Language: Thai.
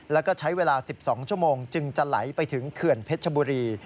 แล้วก็ใช้เวลา๑๒ชั่วโมงจึงจะไหลไปถึงเขื่อนเพชรบุรี